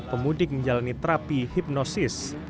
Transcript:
pemudik menjalani terapi hipnosis